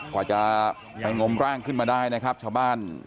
กว่าจะไปงมร่างขึ้นมาได้นะครับชาวบ้าน